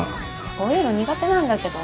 こういうの苦手なんだけど。